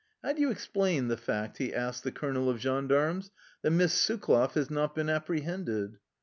" How do you explain the fact," he asked the colonel of gendarmes, " that Miss Sukloff has not been apprehended?